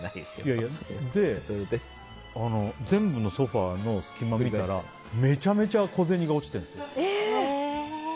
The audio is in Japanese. それで、全部のソファの隙間を見たらめちゃめちゃ小銭が落ちているの。